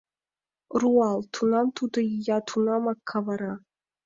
Руал, тунам тудо, ия, тунамак кавара!